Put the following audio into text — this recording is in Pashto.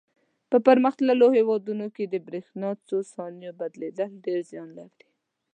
په پرمختللو هېوادونو کې د برېښنا څو ثانیو بندېدل ډېر زیان لري.